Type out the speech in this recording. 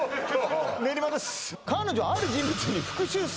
練馬です